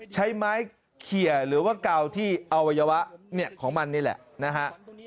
ใช้ไม้เขียหรือว่าเกาที่อวัยวะเนี่ยของมันนี่แหละนะฮะ